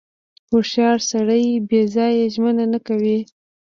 • هوښیار سړی بې ځایه ژمنه نه کوي.